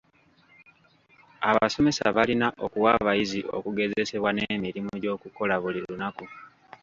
Abasomesa balina okuwa abayizi okugezesebwa n'emirimu gy'okukola buli lunaku.